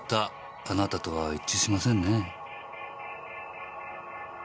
あなたとは一致しませんね。